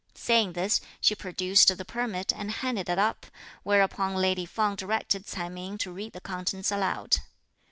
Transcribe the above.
Saying this, she produced the permit and handed it up, whereupon lady Feng directed Ts'ai Ming to read the contents aloud.